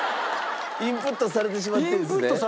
インプットされてしまってるんですね。